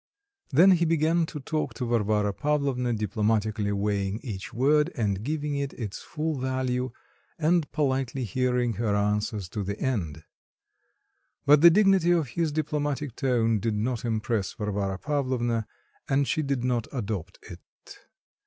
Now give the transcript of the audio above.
Then he began to talk to Varvara Pavlovna, diplomatically weighing each word and giving it its full value, and politely hearing her answers to the end. But the dignity of his diplomatic tone did not impress Varvara Pavlovna, and she did not adopt it.